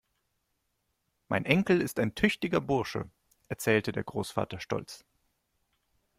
Mein Enkel ist ein tüchtiger Bursche, erzählte der Großvater stolz.